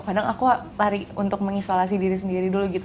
kadang aku lari untuk mengisolasi diri sendiri dulu gitu